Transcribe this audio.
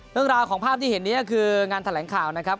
เรื่องราวของภาพที่เห็นนี้ก็คืองานแถลงข่าวนะครับ